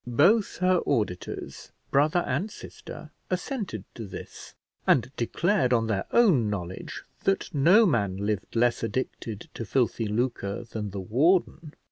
Both her auditors, brother and sister, assented to this, and declared on their own knowledge that no man lived less addicted to filthy lucre than the warden.